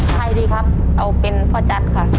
ใครดีครับเอาเป็นพ่อจัดค่ะ